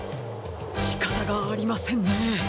しかたがありませんね。